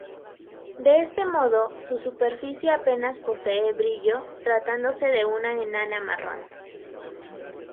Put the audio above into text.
De este modo, su superficie apenas posee brillo, tratándose de una enana marrón.